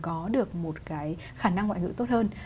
có được một cái khả năng ngoại ngữ tốt hơn